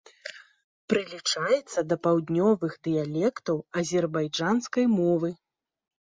Прылічаецца да паўднёвых дыялектаў азербайджанскай мовы.